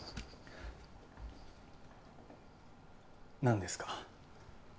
何ですか？